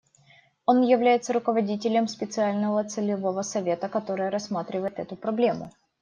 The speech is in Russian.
Он является руководителем специального целевого совета, который рассматривает эту проблему.